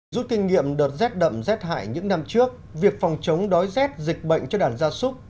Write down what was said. rút kinh nghiệm đợt rét đậm rét hại những năm trước việc phòng chống đói rét dịch bệnh cho đàn gia súc